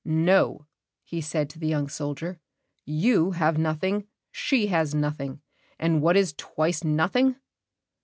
"No," he said to the young soldier; "you have nothing, she has nothing. And what is twice nothing?"